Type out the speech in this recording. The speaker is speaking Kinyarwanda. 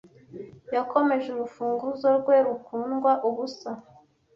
yakomeje urufunguzo rwe rukundwa ubusa